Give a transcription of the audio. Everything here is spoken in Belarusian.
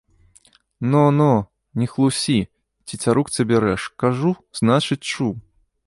Но, но, не хлусі, цецярук цябе рэж, кажу, значыць, чуў.